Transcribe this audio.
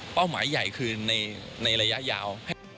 หมายใหญ่คือในระยะยาว